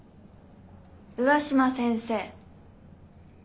上嶋先生。